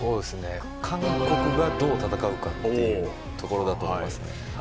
韓国がどう戦うかというところだと思います。